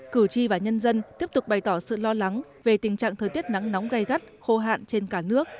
cử tri và nhân dân tiếp tục bày tỏ sự lo lắng về tình trạng thời tiết nắng nóng gây gắt khô hạn trên cả nước